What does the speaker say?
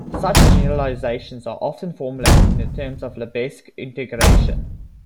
Such generalizations are often formulated in terms of Lebesgue integration.